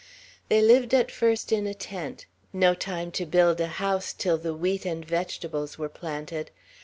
They lived at first in a tent; no time to build a house, till the wheat and vegetables were planted.